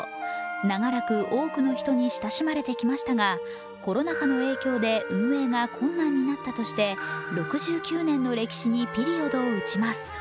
長らく多くの人に親しまれてきましたがコロナ禍の影響で運営が困難になったとして６９年の歴史にピリオドを打ちます。